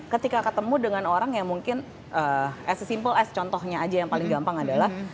ketika ketemu dengan orang yang mungkin as a simple as contohnya aja yang paling gampang adalah